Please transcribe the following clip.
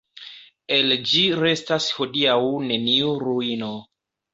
El ĝi restas hodiaŭ neniu ruino.